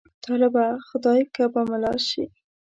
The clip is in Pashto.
طالبه! خدای که به ملا شې.